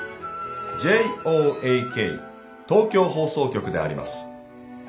ＪＯＡＫ東京放送局であります。